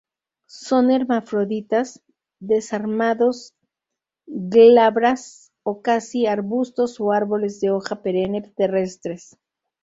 Son hermafroditas, desarmados, glabras o casi, arbustos o árboles de hoja perenne terrestres.